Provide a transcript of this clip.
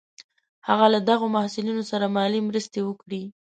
هغه له دغو محصلینو سره مالي مرستې وکړې.